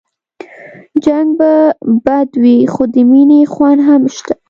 جنګ به بد وي خو د مينې خوند هم نشته